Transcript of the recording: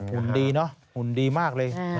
หุ่นดีเนอะหุ่นดีมากเลย